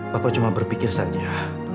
papa cuma berpikir saja